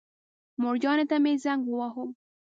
مورجانې ته مې زنګ وواهه.